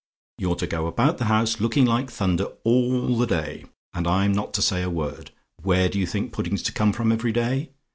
"You're to go about the house looking like thunder all the day, and I'm not to say a word. Where do you think pudding's to come from every day?